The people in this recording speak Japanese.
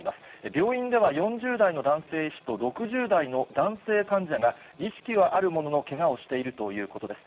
病院では４０代の男性医師と６０代の男性患者が意識はあるものの、けがをしているということです。